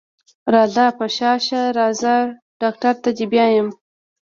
راځه په شا شه راځه ډاکټر ته دې بيايمه.